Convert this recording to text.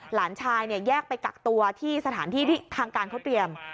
หลานชายเนี่ยแยกไปกักตัวที่สถานที่ที่ทางการเขาเตรียม